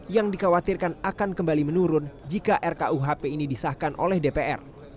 yang dikhawatirkan akan kembali menurun jika rkuhp ini disahkan oleh dpr